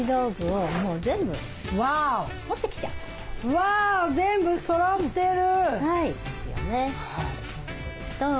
わあ全部そろってる！